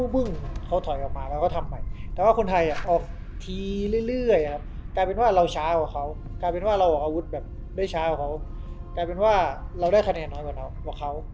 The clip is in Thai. ปั่งเว้ยพวยเตะเข้าแล้ว